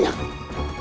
sangat itu banyak